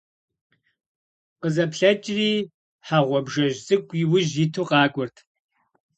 КъызэплъэкӀри - хьэ гъуабжэжь цӀыкӀу иужь иту къакӀуэрт.